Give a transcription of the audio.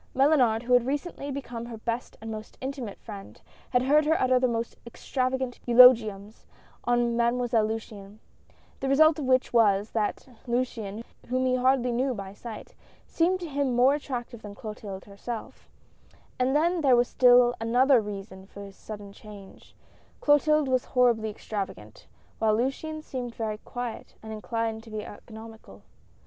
Mellunard, who had recently become her best and most intimate friend, had heard her utter the most extravagant eulogiums on Mademoiselle Luciane ; the result of which was, that Luciane, whom he hardly knew by sight, seemed to him more attractive than Clotilde herself; and then there was still another reason for this sudden change — Clotilde was horribly extravagant, while Luciane seemed very quiet and inclined to be economical.